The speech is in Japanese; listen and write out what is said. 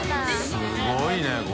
すごいねこれ。